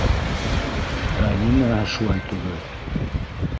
Ә нимәһе шулай түгел?